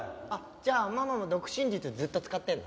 じゃあママも独身術をずっと使ってるの？